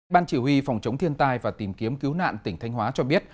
ban chỉ huy phòng chống thiên tai và tìm kiếm cứu nạn tỉnh thanh hóa cho biết